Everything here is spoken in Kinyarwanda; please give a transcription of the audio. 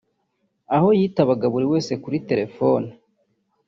aho yitabaga buri wese kuri telefoni